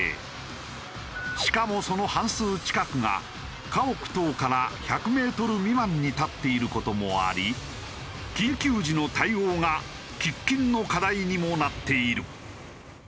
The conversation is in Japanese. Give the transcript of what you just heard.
しかもその半数近くが家屋等から１００メートル未満に立っている事もあり緊急時の対応が喫緊の課題にもなっている。